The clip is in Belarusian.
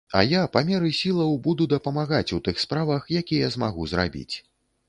А я, па меры сілаў, буду дапамагаць у тых справах, якія змагу зрабіць.